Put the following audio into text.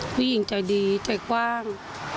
ผู้หญิงใจดีใจกว้าง